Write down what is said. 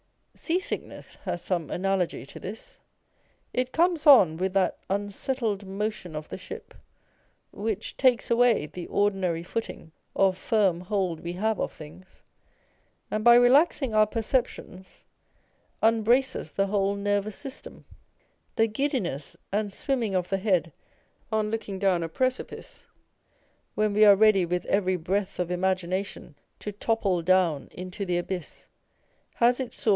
Seasickness has some analogy to this. It comes on with that unsettled motion of the ship, which takes away the ordinary footing or firm hold we have of things, and by relaxing our perceptions, unbraces the whole nervous system. The giddiness and swimming of the head on looking down a precipice, when we are ready with every breath of imagination to topple down into the abyss, lias its source in the same uncertain and rapid whirl of the fancy through possible extremes.